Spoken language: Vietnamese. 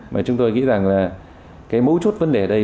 mà chúng tôi nghĩ rằng là cái mấu chốt vấn đề ở đây